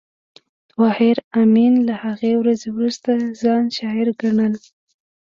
طاهر آمین له هغې ورځې وروسته ځان شاعر ګڼل